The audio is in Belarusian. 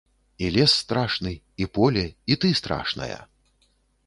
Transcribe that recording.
І лес страшны, і поле, і ты страшная.